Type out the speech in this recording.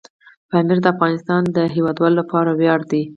پامیر د افغانستان د هیوادوالو لپاره ویاړ دی.